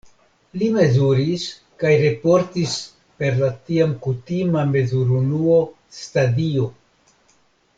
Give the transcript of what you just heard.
Li mezuris kaj raportis per la tiam kutima mezurunuo "stadio".